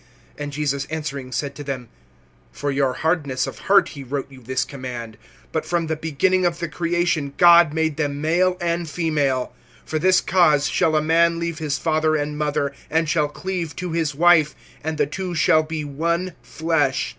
(5)And Jesus answering said to them: For your hardness of heart he wrote you this command. (6)But from the beginning of the creation, God made them male and female. (7)For this cause shall a man leave his father and mother, and shall cleave to his wife; and the two shall be one flesh.